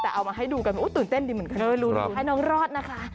แต่เอามาให้ดูกันตื่นเต้นดีเหมือนกันให้น้องรอดนะคะ